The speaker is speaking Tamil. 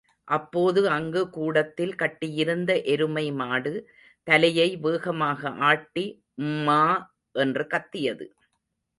அப்போது அங்கு கூடத்தில் கட்டியிருந்த எருமை மாடு தலையை வேகமாக ஆட்டி ம்மா என்று கத்தியது.